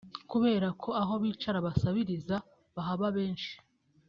Kubera ko aho bicara basabiriza bahaba benshi